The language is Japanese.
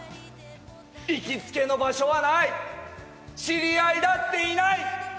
行きつけの場所はない、知り合いだっていない。